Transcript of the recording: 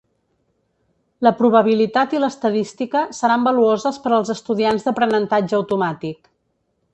La probabilitat i l'estadística seran valuoses per als estudiants d'aprenentatge automàtic.